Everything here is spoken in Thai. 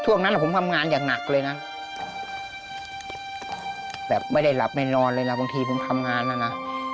ช่วงนั้นผมทำงานอย่างหนักเลยนะแบบไม่ได้หลับไม่นอนเลยล่ะบางทีผมทำงานนะนะ